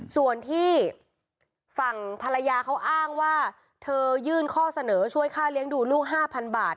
ส่วนที่ฝั่งภรรยาเขาอ้างว่าเธอยื่นข้อเสนอช่วยค่าเลี้ยงดูลูก๕๐๐บาท